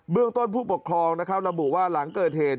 เบื้องต้นผู้ปกครองระบุว่าหลังเกิดเหตุ